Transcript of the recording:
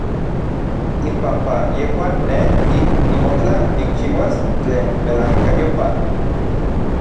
Inpampa yejuan nej ik nimotla nikchiuas tlen melajkayopaj.